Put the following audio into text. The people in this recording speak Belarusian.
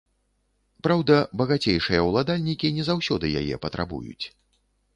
Праўда, багацейшыя ўладальнікі не заўсёды яе патрабуюць.